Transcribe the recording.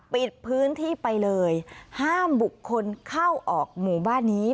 ปิดพื้นที่ไปเลยห้ามบุคคลเข้าออกหมู่บ้านนี้